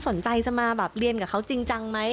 สนใจจะมาแบบเรียนกับเขาจริงจังไหม